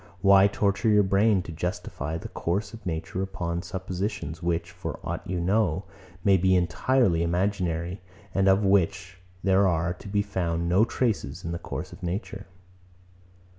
Why torture your brain to justify the course of nature upon suppositions, which, for aught you know, may be entirely imaginary, and of which there are to be found no traces in the course of nature?